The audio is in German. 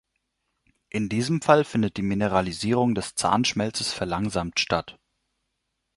In diesem Fall findet die Mineralisierung des Zahnschmelzes verlangsamt statt.